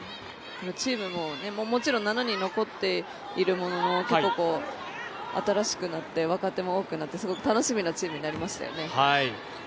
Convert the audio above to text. チームも、もちろん７人、残っているものの結構、新しくなって若手も多くなってすごく楽しみなチームになりましたよね。